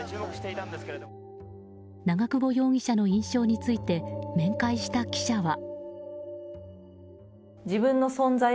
長久保容疑者の印象について面会した記者は。